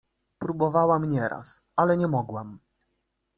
— Próbowałam nieraz, ale nie mogłam.